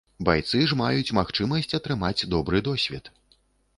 Байцы ж маюць магчымасць атрымаць добры досвед.